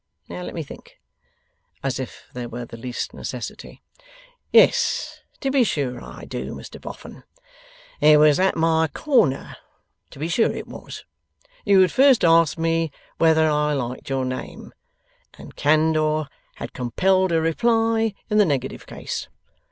Now let me think.' (as if there were the least necessity) 'Yes, to be sure I do, Mr Boffin. It was at my corner. To be sure it was! You had first asked me whether I liked your name, and Candour had compelled a reply in the negative case.